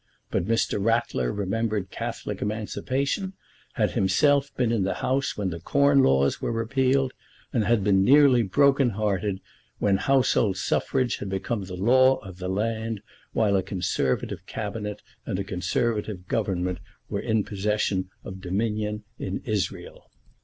But Mr. Ratler remembered Catholic emancipation, had himself been in the House when the Corn Laws were repealed, and had been nearly broken hearted when household suffrage had become the law of the land while a Conservative Cabinet and a Conservative Government were in possession of dominion in Israel.